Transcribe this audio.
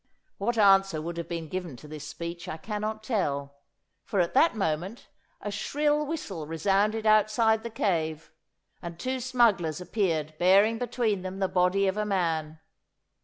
What answer would have been given to this speech I cannot tell, for at that moment a shrill whistle resounded outside the cave, and two smugglers appeared bearing between them the body of a man.